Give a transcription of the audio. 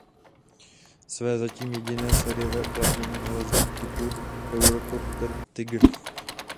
Své zatím jediné sériové uplatnění nalezl u typu Eurocopter Tiger.